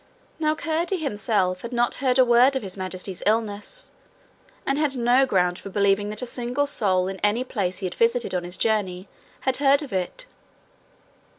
Now Curdie himself had not heard a word of His Majesty's illness, and had no ground for believing that a single soul in any place he had visited on his journey had heard of it.